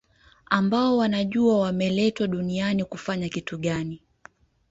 ambao wanajua wameletwa duniani kufanya kitu gani